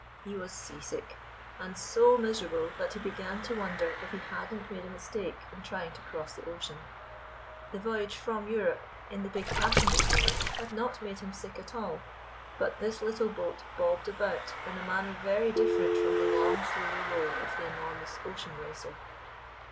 He was seasick, and so miserable that he began to wonder if he had n't made a mistake in trying to cross the ocean. The voyage from Europe in the big passenger steamer had not made him sick at all ; but this little boat bobbed about in a manner very different from the long ? slow roll of the enormous ocean racer.